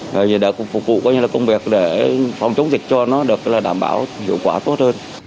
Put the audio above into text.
rồi thì đã phục vụ cái công việc để phòng chống dịch cho nó được là đảm bảo hiệu quả tốt hơn